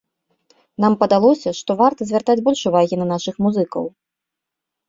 Нам падалося, што варта звяртаць больш увагі на нашых музыкаў.